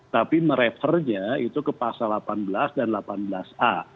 tapi merefernya itu ke pasal delapan belas dan delapan belas a